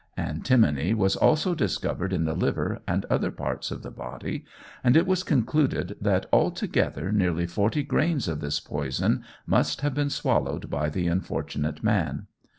Antimony was also discovered in the liver and other parts of the body, and it was concluded that altogether nearly forty grains of this poison must have been swallowed by the unfortunate man.